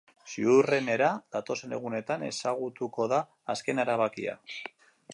Ziurrenera, datozen egunetan ezagutuko da azken erabakia.